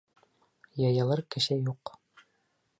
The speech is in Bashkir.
— Йыйылыр кеше юҡ.